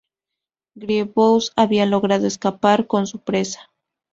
Grievous había logrado escapar con su presa.